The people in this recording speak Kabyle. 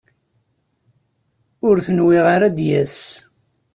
Ur t-nwiɣ ara ad d-yas.